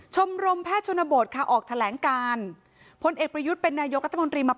ชมรมแพทย์ชนบทค่ะออกแถลงการพลเอกประยุทธ์เป็นนายกรัฐมนตรีมา